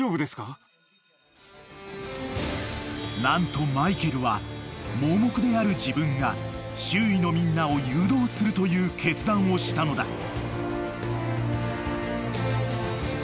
［何とマイケルは盲目である自分が周囲のみんなを誘導するという決断をしたのだ］